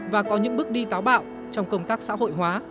và có những bước đi táo bạo trong công tác xã hội hóa